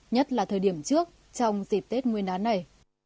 nhất là thời điểm trước trong dịp tết nguyên đán này